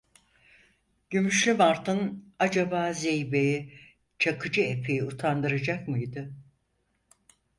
Gümüşlü martın, acaba zeybeği, Çakıcı Efe’yi utandıracak mıydı?